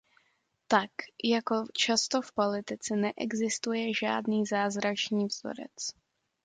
Tak jako často v politice neexistuje žádný zázračný vzorec.